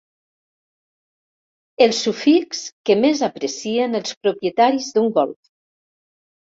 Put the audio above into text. El sufix que més aprecien els propietaris d'un Golf.